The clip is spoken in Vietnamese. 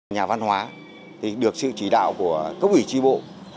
nhà văn hóa được sự chỉ đạo của các quỷ tri bộ